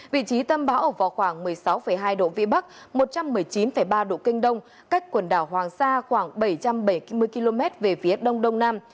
vị trí tâm bão ở vào khoảng một mươi sáu hai độ vĩ bắc một trăm một mươi chín ba độ kinh đông cách quần đảo hoàng sa khoảng bảy trăm bảy mươi km về phía đông đông nam